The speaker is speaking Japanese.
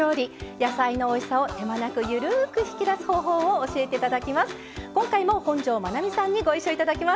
野菜のおいしさを手間なくゆるーく引き出す方法を教えていただきます。